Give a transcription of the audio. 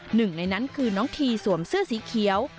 หนึ่งในนั้นคือน้องทีสวมเสื้อสีเขียว